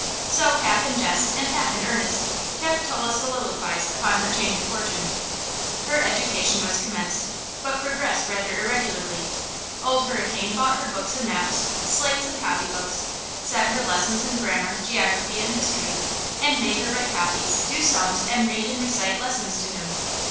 So, half in jest and half in earnest, Capitola soliloquized upon her change of fortune. Her education was commenced, but progressed rather irregularly. Old Hurricane bought her books and maps, slates and copy books, set her lessons in grammar, geography and history, and made her write copies, do sums and read and recite lessons to him.